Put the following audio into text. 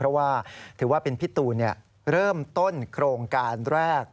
เพราะว่าถือว่าเป็นพี่ตูนเริ่มต้นโครงการแรก